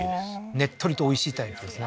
ねっとりとおいしいタイプですね